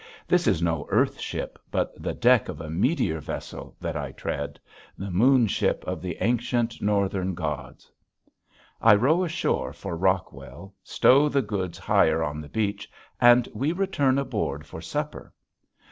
This is no earth ship but the deck of a meteor vessel that I tread, the moon ship of the ancient northern gods. I row ashore for Rockwell, stow the goods higher on the beach, and we return aboard for supper.